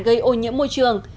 gây ô nhiễm môi trường